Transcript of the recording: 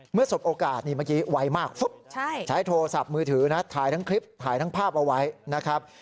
สบโอกาสนี่เมื่อกี้ไวมากใช้โทรศัพท์มือถือนะถ่ายทั้งคลิปถ่ายทั้งภาพเอาไว้นะครับ